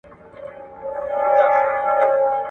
او د هغه عالي مفاهیم ,